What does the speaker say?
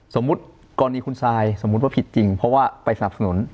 สมมุติกรณีคุณซายสมมุติว่าผิดจริงเพราะว่าไปสนับสนุน